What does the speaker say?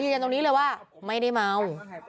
ขออนุญาตตรงนี้เลยว่าก็ยังไม่ได้เมา